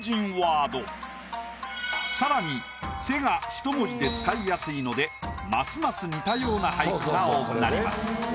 更に「背」がひと文字で使いやすいのでますます似たような俳句が多くなります。